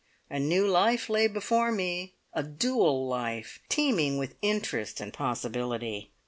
A new life lay before me a dual life, teeming with interest and possibility.